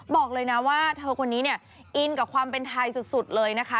บอกเลยนะว่าเธอคนนี้เนี่ยอินกับความเป็นไทยสุดเลยนะคะ